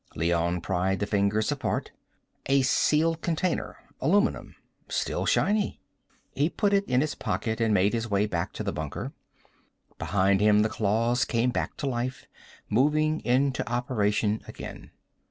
Leone pried the fingers apart. A sealed container, aluminum. Still shiny. He put it in his pocket and made his way back to the bunker. Behind him the claws came back to life, moving into operation again.